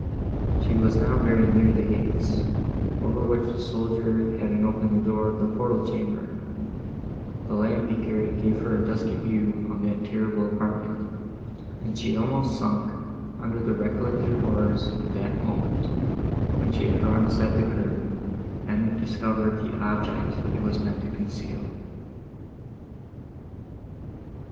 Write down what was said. She was now very near the gates, over which the soldier having opened the door of the portal chamber, the lamp he carried gave her a dusky view of that terrible apartment, and she almost sunk under the recollected horrors of the moment, when she had drawn aside the curtain, and discovered the object it was meant to conceal.